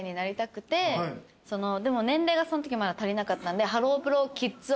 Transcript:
でも年齢がそのときまだ足りなかったんで。